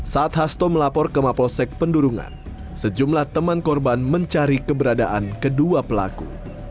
saat hasto melapor ke mapolsek pendurungan sejumlah teman korban mencari keberadaan kedua pelaku